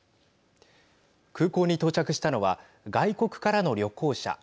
空港に到着したのは外国からの旅行者。